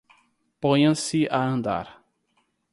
Ponham-se a andar